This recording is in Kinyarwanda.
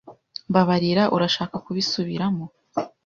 Mbabarira, urashaka kubisubiramo?